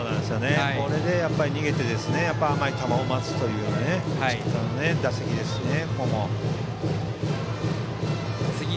これで逃げて甘い球を待つという打席ですね。